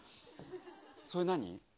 それ何？